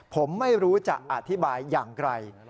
ผมไม่รู้จะอธิบายอย่างไร